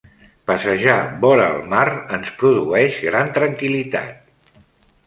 Passejar vora el mar ens produeix gran tranquil·litat.